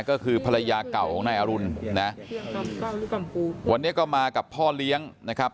ก็คือภรรยาเก่าของนายอรุณนะวันนี้ก็มากับพ่อเลี้ยงนะครับ